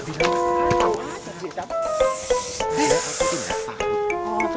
rumah aja nih